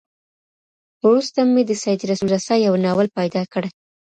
وروسته مي د سيد رسول رسا يو ناول پيدا کړ.